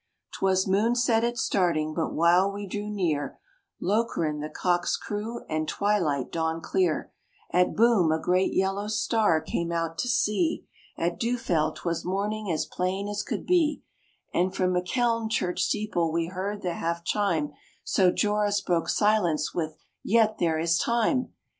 'Twas moonset at starting; but while we drew near Lokeren, the cocks crew, and twilight dawned clear; At Boom, a great yellow star came out to see; At Düffeld, 'twas morning as plain as could be; And from Mecheln church steeple we heard the half chime, So, Joris broke silence with, "Yet there is time!"